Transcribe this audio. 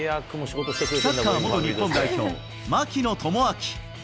サッカー元日本代表、槙野智章。